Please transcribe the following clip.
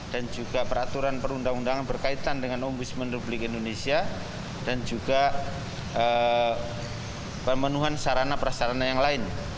dan juga peraturan perundangan berkaitan dengan ombudsman ri dan juga pemenuhan sarana prasarana yang lain